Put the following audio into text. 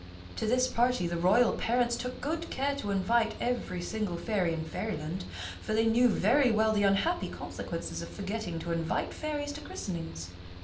To this party the royal parents took good care to invite every single fairy in Fairyland, for they knew very well the unhappy consequences of forgetting to invite fairies to christenings.